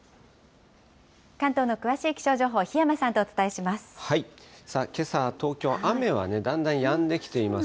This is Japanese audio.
関東の詳しい気象情報、檜山さんとお伝えします。